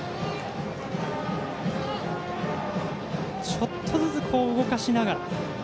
ちょっとずつ動かしながら。